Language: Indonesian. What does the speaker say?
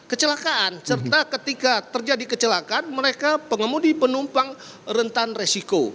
jadi kecelakaan serta ketika terjadi kecelakaan mereka pengemudi penumpang rentan resiko